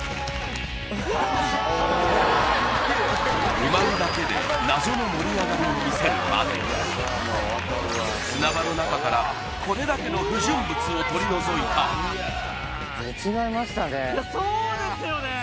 埋まるだけで謎の盛り上がりを見せるまでに砂場の中からこれだけの不純物を取り除いたそうですよね